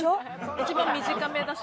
一番短めだし。